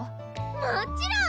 もっちろん！